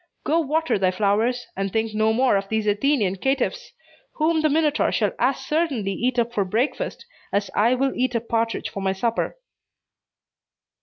Go water thy flowers, and think no more of these Athenian caitiffs, whom the Minotaur shall as certainly eat up for breakfast as I will eat a partridge for my supper."